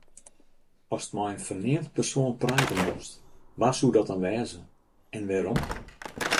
Ast mei in ferneamd persoan prate mochtst, wa soe dat dan wêze en wêrom?